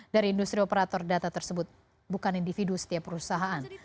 dari industri operator data tersebut bukan individu setiap perusahaan